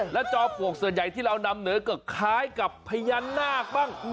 แล้วจอมปลวกส่วนใหญ่ที่เรานำเหนือก็คล้ายกับพญานาคบ้าง